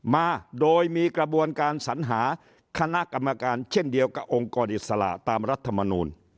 มาโดยมีกระบวนการสัญหาคณะกรรมการเช่นเดียวกับองค์กรอิสระตามรัฐมนูล